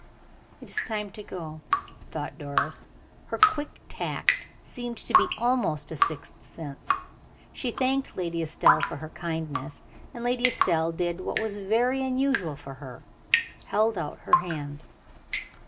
"It is time to go," thought Doris. Her quick tact seemed to be almost a sixth sense. She thanked Lady Estelle for her kindness, and Lady Estelle did what was very unusual for her held out her hand.